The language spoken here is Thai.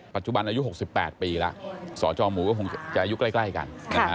ปัจจุบันอายุ๖๘ปีแล้วสจหมูก็คงจะอายุใกล้กัน